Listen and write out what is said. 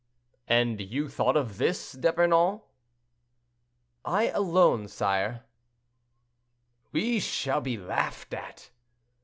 "And you thought of this, D'Epernon?" "I, alone, sire." "We shall be laughed at."